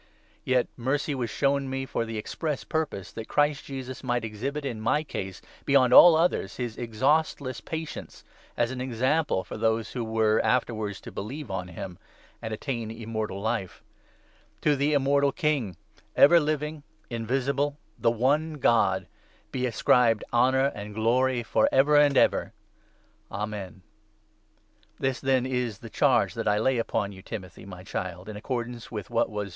Yet mercy was shown 16 me for the express purpose that Christ Jesus might exhibit in my case, beyond all others, his exhaustless patience, as an example for those who were afterwards to believe on him and attain Immortal Life. To the Immortal King, ever 17 living, invisible, the one God, be ascribed honour and glory for ever and ever. Amen. This, then, is the charge that I lay upon you, 18 HIS charge Timothy, my Child, in accordance with what was to Timothy.